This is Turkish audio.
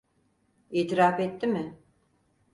İtiraf etti mi?